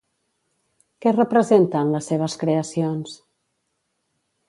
Què representa en les seves creacions?